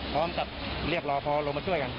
พร้อมกับเรียกรอพอลงมาช่วยกัน